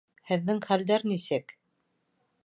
Һеҙҙең хәлдәр нисек?